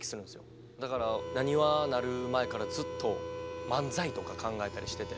だからなにわなる前からずっと漫才とか考えたりしてて。